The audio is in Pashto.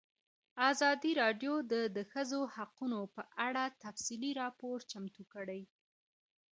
ازادي راډیو د د ښځو حقونه په اړه تفصیلي راپور چمتو کړی.